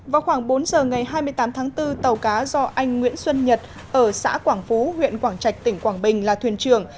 vào khoảng bốn giờ ngày hai mươi tám tháng bốn tàu cá do anh nguyễn xuân nhật ở xã quảng phú huyện quảng trạch tỉnh quảng bình là thuyền trưởng